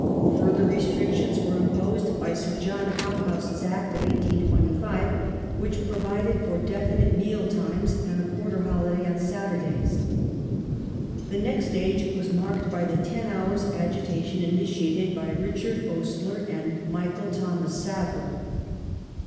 Further i estrictions were imposed by Sir John Hol)house's Act of 1825, which provided for definite meal times and a quarter holiday on Saturdays. The next stage was marked by the ten hours agita tion initiated by Richard Oastler and Michael Thomas Sadler.